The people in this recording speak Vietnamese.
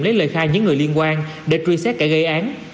lấy lời khai những người liên quan để truy xét kẻ gây án